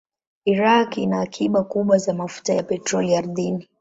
Iraq ina akiba kubwa za mafuta ya petroli ardhini.